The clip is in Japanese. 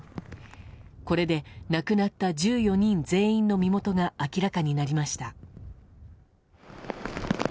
これで、亡くなった１４人全員の身元が明らかになりました。